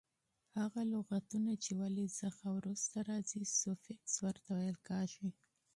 هغه لغتونه چي د ولي څخه وروسته راځي؛ سوفیکس ور ته وایي.